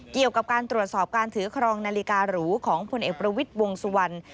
เกี่ยวกับการตรวจสอบการถือครองนาฬิการูของพลเอกประวิทย์วงสุวรรณ